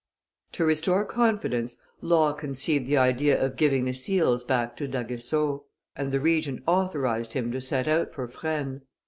To restore confidence, Law conceived the idea of giving the seals back to D'Aguesseau; and the Regent authorized him to set out for Fresnes.